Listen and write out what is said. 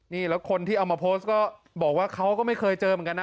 นี่แล้วคนที่เอามาโพสต์ก็บอกว่าเขาก็ไม่เคยเจอเหมือนกันนะ